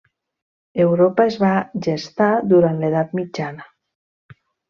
Europa es va gestar durant l’edat mitjana.